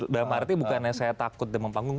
dalam arti bukan saya takut dan mempanggung